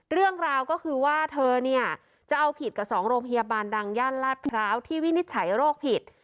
เรื่องราวก็คือว่าเธอเนี่ยจะเอาผิดกับ๒โรงพยาบาลดังย่านลาดพร้าวที่วินิจฉัยโรคผิด